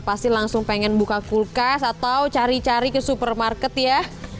pasti langsung pengen buka kulkas atau cari cari ke supermarket ya